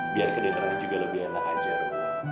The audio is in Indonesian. biar kedendranya juga lebih enak aja umi